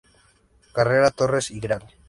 Carrera Torres y Gral.